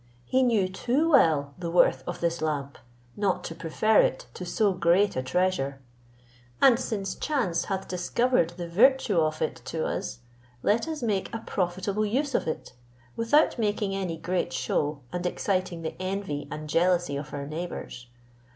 He knew too well the worth of this lamp, not to prefer it to so great a treasure; and since chance hath discovered the virtue of it to us, let us make a profitable use of it, without making any great shew, and exciting the envy and jealousy of our neighbours.